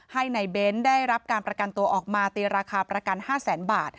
ให้ในเบ้นได้รับการประกันตัวออกมาตีราคาประกัน๕แสนบาท